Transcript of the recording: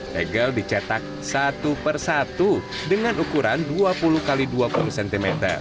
tegel dicetak satu persatu dengan ukuran dua puluh x dua puluh cm